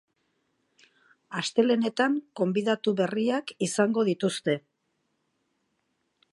Astelehenetan gonbidatu berriak izango dituzte.